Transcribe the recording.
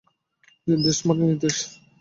নির্দেশ মানে নির্দেশ!